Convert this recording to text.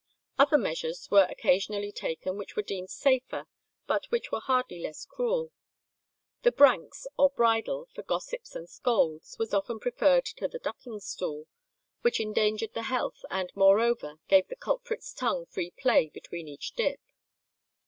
Other measures were occasionally taken which were deemed safer, but which were hardly less cruel. The "branks," or bridle, for gossips and scolds, was often preferred to the ducking stool, which endangered the health, and, moreover, gave the culprit's tongue free play between each dip.